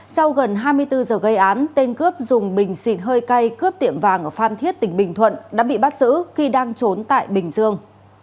sau gần hai mươi bốn giờ gây án tên cướp dùng bình xịt hơi cay cướp tiệm vàng ở phan thiết tỉnh bình thuận đã bị bắt giữ khi đang trốn tại bình dương